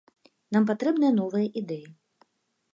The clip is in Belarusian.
Нам патрэбныя новыя ідэі.